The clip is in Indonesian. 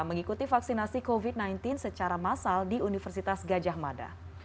mengikuti vaksinasi covid sembilan belas secara massal di universitas gajah mada